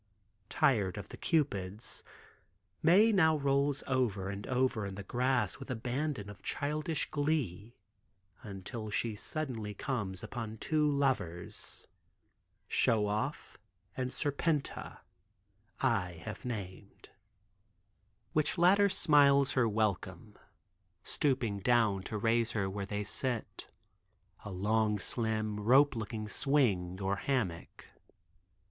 Tired of the Cupids, Mae now rolls over and over in the grass with abandon of childish glee until she suddenly comes upon two lovers—Show Off and Serpenta (I have named) which latter smiles her a welcome, stooping down to raise her to where they sit, a long, slim, rope looking swing or hammock.